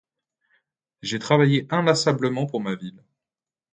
J'ai travaillé inlassablement pour ma ville.